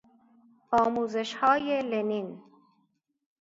آموزش های لنین